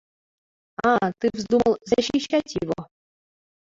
— А ты вздумал защищать его?